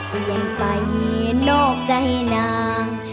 ก็ยังไปนอกใจนาง